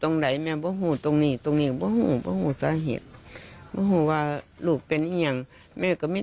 นี่แหละครับแม่ครับ